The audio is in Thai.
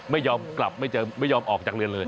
ไม่ยอมกลับไม่ยอมออกจากเรือนเลย